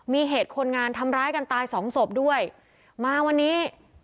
มีเหตุคนงานทำร้ายกันตายสองศพด้วยมาวันนี้